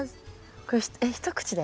これえっ一口で？